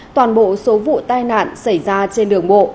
toàn bộ số vụ tai nạn xảy ra trên đường bộ